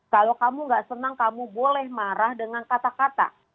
kalau kamu gak senang kamu boleh marah dengan kata kata